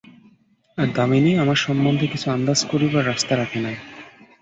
আর, দামিনী আমার সম্বন্ধে কিছু আন্দাজ করিবার রাস্তা রাখে নাই।